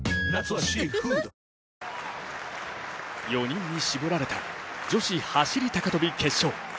４人に絞られた女子走高跳決勝。